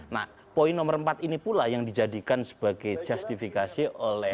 nah poin nomor empat ini pula yang dijadikan sebagai justifikasi oleh